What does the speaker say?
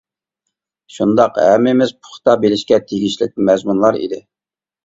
شۇنداق، ھەممىمىز پۇختا بىلىشكە تېگىشلىك مەزمۇنلار ئىدى.